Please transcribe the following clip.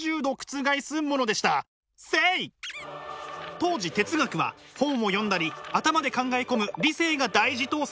当時哲学は本を読んだり頭で考え込む理性が大事とされていました。